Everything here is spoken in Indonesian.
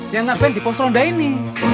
yang nge ban di pos ronda ini